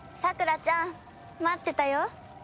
さくらちゃん待ってたよ。